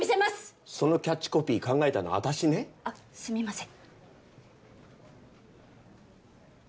そのキャッチコピー考えたの私ねあっすみません